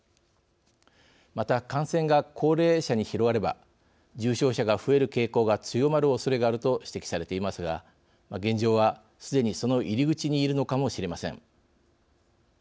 また、感染が高齢者に広がれば重症者が増える傾向が強まるおそれがあると指摘されていますが現状は、すでに、その入り口にいるのかもしれません。